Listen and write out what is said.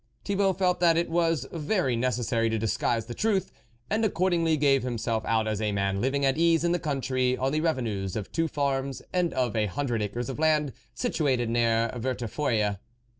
Thibault felt that it was very necessary to disguise the truth ; and accordingly gave himself out as a man living at ease in the country, on the revenues of two farms and of a hun dred acres of land, situated near Verte feuille.